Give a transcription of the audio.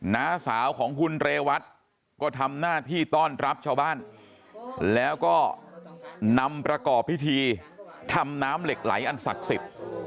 น้าสาวของคุณเรวัตก็ทำหน้าที่ต้อนรับชาวบ้านแล้วก็นำประกอบพิธีทำน้ำเหล็กไหลอันศักดิ์สิทธิ์